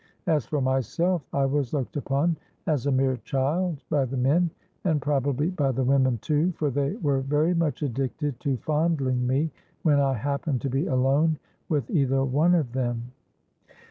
As for myself, I was looked upon as a mere child by the men; and probably by the women too—for they were very much addicted to fondling me when I happened to be alone with either one of them.